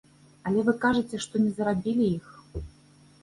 Але вы кажаце, што не зарабілі іх.